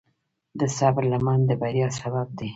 د صبر لمن د بریا سبب دی.